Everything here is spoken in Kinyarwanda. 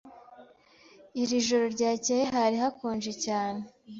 Ijoro ryakeye hari hakonje cyane.